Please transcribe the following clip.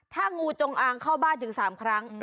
ถ้างูจงอางเข้าบ้านถึง๓ครั้ง